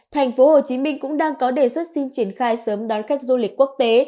thành phố hồ chí minh cũng đang có đề xuất xin triển khai sớm đón khách du lịch quốc tế